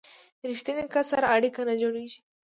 ریښتیني کس سره اړیکه نه جوړیږي.